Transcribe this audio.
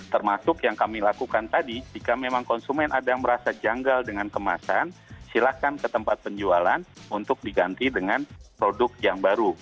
termasuk yang kami lakukan tadi jika memang konsumen ada yang merasa janggal dengan kemasan silahkan ke tempat penjualan untuk diganti dengan produk yang baru